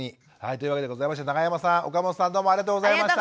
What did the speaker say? というわけでございまして永山さん岡本さんどうもありがとうございました。